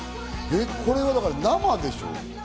これ生でしょう？